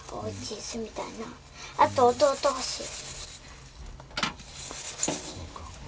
あと弟ほしい。